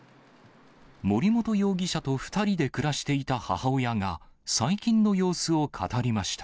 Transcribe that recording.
森本容疑者と２人で暮らしていた母親が、最近の様子を語りました。